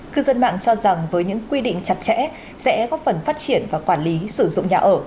cư dân mạng cho rằng với những quy định chặt chẽ sẽ góp phần phát triển và quản lý sử dụng nhà ở